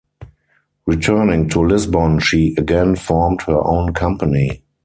Returning to Lisbon she again formed her own company.